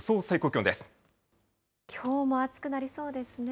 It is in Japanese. きょうも暑くなりそうですね。